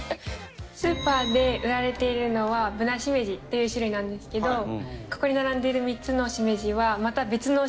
スーパーで売られているのはブナシメジっていう種類なんですけどここに並んでいる３つのシメジはまた別の種類のシメジです。